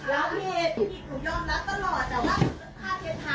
พี่ผิดผมยอมรับตลอดอ่ะว่าผ้าเทียดเท้าอ่ะ